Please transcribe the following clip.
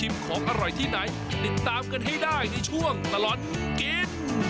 โปรดติดตามตอนต่อไป